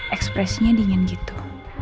ekspresinya dingin gitu